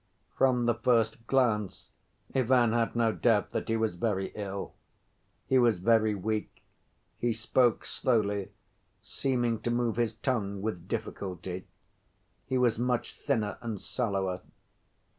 From the first glance Ivan had no doubt that he was very ill. He was very weak; he spoke slowly, seeming to move his tongue with difficulty; he was much thinner and sallower.